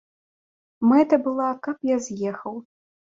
Мэта была, каб я з'ехаў.